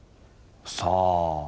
さあ？